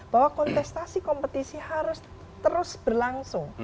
bahwa kontestasi kompetisi harus terus berlangsung